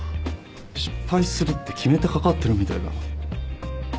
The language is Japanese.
失敗するって決めてかかってるみたいだな。